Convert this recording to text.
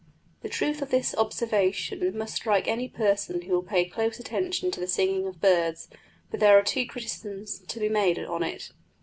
The truth of this observation must strike any person who will pay close attention to the singing of birds; but there are two criticisms to be made on it.